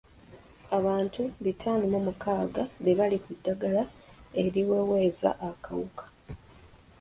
Abantu bitaano mu mukaaga be bali ku ddagala eriweweeza akawuka.